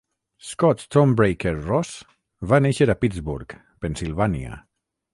Scott Stonebreaker Ross va néixer a Pittsburgh, Pennsilvània.